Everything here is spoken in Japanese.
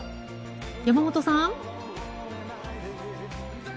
山本さん。